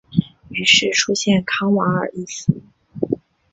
于是出现康瓦尔一词。